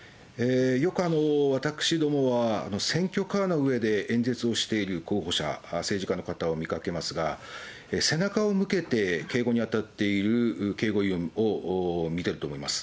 よく私どもは、選挙カーの上で演説をしている候補者、政治家の方を見かけますが、背中を向けて警護に当たっている警護要員を見てると思います。